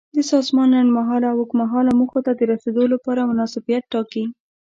د سازمان لنډمهاله او اوږدمهاله موخو ته د رسیدو لپاره مناسبیت ټاکي.